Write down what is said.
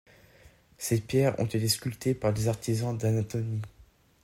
Ces pierres ont été sculptées par des artisans d'Anatolie.